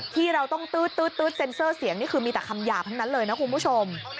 ที่เราต้องตื๊ดเซ็นเซอร์เสียงนี่คือมีแต่คำหยาบทั้งนั้นเลยนะคุณผู้ชม